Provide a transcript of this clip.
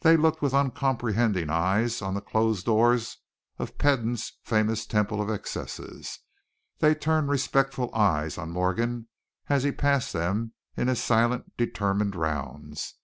They looked with uncomprehending eyes on the closed doors of Peden's famous temple of excesses; they turned respectful eyes on Morgan as he passed them in his silent, determined rounds.